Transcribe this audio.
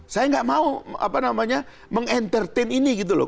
saya gak mau meng entertain ini gitu loh